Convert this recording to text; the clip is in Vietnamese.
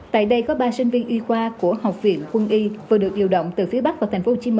tại đây có ba sinh viên y khoa của học viện quân y vừa được điều động từ phía bắc và tp hcm